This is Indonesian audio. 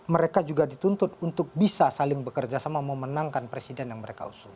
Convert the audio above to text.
mereka juga dituntut untuk bisa saling bekerja sama memenangkan presiden yang mereka usung